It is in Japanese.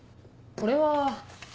これは？